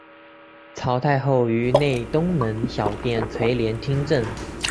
曹太后于内东门小殿垂帘听政。